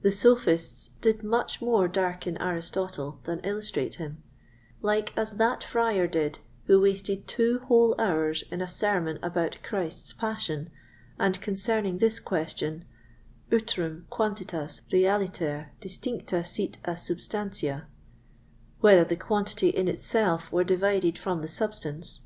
The Sophists did much more darken Aristotle than illustrate him; like as that Friar did, who wasted two whole hours in a sermon about Christ's Passion, and concerning this question: Utrùm quantitas realiter distincta sit à substantia—whether the quantity in itself were divided from the substance?